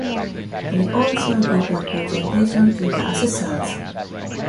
They also give a presentation to the assessors.